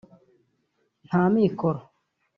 nta mikoro